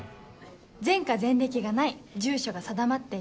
前科前歴がない住所が定まっている。